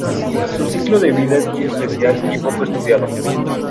Su ciclo de vida es muy especial y poco estudiado.